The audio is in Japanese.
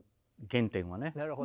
原点はね。